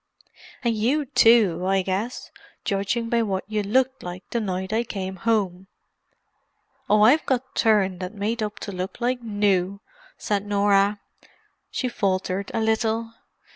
"And you too, I guess—judging by what you looked like the night I came home." "Oh, I've got turned and made up to look like new," said Norah. She faltered a little.